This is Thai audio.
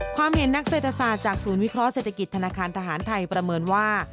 ความเห็นนักเศรษฐศาสตร์จากศูนย์วิเคราะห์เศรษฐกิจธนาคารทหารไทยประเมินว่า